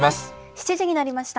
７時になりました。